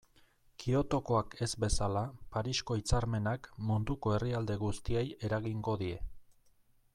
Kyotokoak ez bezala, Parisko hitzarmenak munduko herrialde guztiei eragingo die.